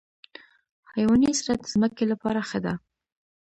حیواني سره د ځمکې لپاره ښه ده.